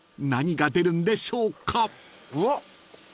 ［何が出るんでしょうか］